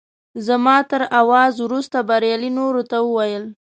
زما تر اواز وروسته بریالي نورو ته وویل.